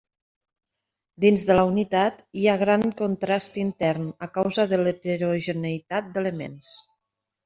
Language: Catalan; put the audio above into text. Dins de la unitat hi ha gran contrast intern, a causa de l'heterogeneïtat d'elements.